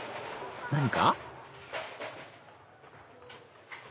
何か？